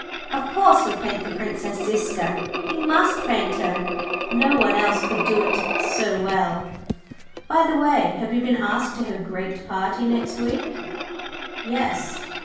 Of course, he'll paint the Princess Ziska he must paint her, no one else could do it so well. By the way, have you been asked to her great party next week?" "Yes."